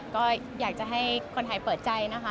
ก็อยากจะให้คนไทยเปิดใจนะคะ